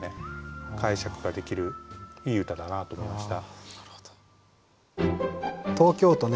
解釈ができるいい歌だなと思いました。